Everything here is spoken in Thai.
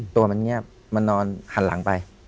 ตัวมันเงียบมันนอนหันหลังไป